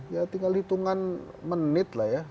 ya tinggal hitungan menit lah ya